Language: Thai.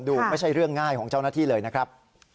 ไม่ใช่เรื่องง่ายของเจ้าหน้าที่เลยนะครับ